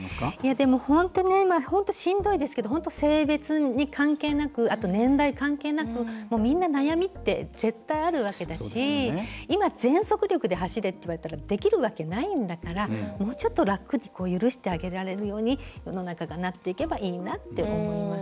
でも本当しんどいですけど本当、性別に関係なくあと年代関係なくみんな悩みって絶対あるわけだし今、全速力で走れって言われたらできるわけないんだからもうちょっと楽に許してあげられるように世の中がなっていけばいいなって思います。